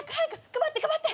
配って配って！